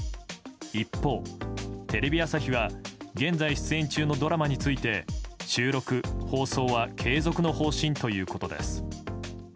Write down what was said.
一方、テレビ朝日は現在出演中のドラマについて収録・放送は継続の方針ということです。